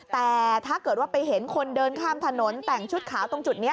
แต่ถ้าเกิดว่าไปเห็นคนเดินข้ามถนนแต่งชุดขาวตรงจุดนี้